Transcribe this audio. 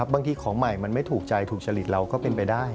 ของใหม่มันไม่ถูกใจถูกจริตเราก็เป็นไปได้